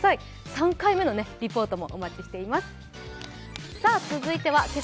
３回目のリポートもお待ちしています。